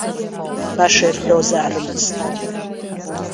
Баша ирҳәозаарымызт.